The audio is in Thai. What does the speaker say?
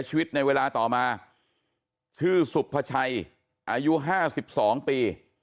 ชีวิตในเวลาต่อมาชื่อสุบพระชัยอายุห้าสิบสองปี